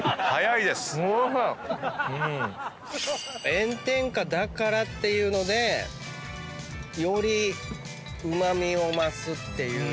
炎天下だからっていうのでよりうま味を増すっていう感じもしますね。